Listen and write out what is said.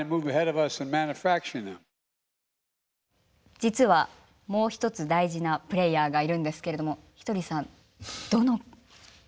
実はもう一つ大事なプレーヤーがいるんですけれどもひとりさんどの。